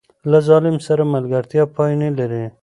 له ظالم سره ملګرتیا پای نه لري.